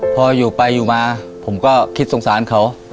พออยู่ไปอยู่มาผมก็คิดสงสารเขา